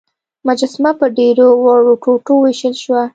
مجسمه په ډیرو وړو ټوټو ویشل شوه.